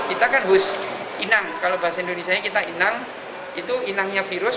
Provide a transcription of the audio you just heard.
kita kan hus inang kalau bahasa indonesia kita inang itu inangnya virus